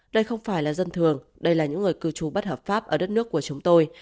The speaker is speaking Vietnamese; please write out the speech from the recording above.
đây không phải là dân thường đây là những người cư trú bất hợp pháp ở đất nước của chúng tôi